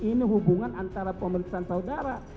ini hubungan antara pemerintahan saudara